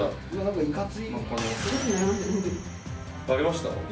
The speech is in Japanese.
ありました？